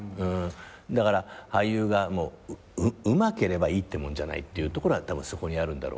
だから俳優がうまければいいってもんじゃないってところはたぶんそこにあるんだろうね。